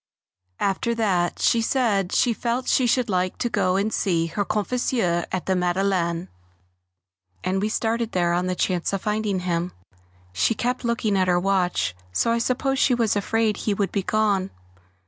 After that she said she felt she should like to go and see her confesseur at the Madeleine, and we started there on the chance of finding him. She kept looking at her watch, so I suppose she was afraid he would be gone.